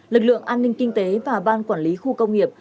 lực lượng an ninh kinh tế và ban quản lý khu công nghiệp